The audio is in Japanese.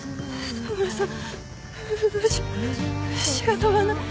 田村さん。